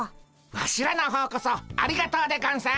ワシらの方こそありがとうでゴンス。